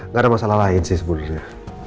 gak ada masalah lain sih sebetulnya